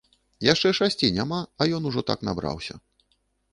Яшчэ шасці няма, а ён ужо так набраўся.